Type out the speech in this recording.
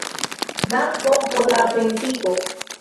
Dankon por la atentigo.